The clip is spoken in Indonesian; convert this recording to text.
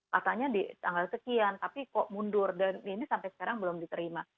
katanya di tanggal sekian tapi kok mundur dan ini sampai sekarang belum diterima